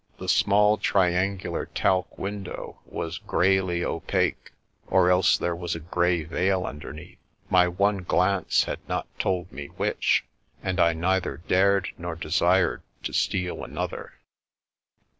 The small, triangular talc window was greyly opaque, or else there was a grey veil under neath; my one glance had not told me which, and I neither dared nor desired to steal another.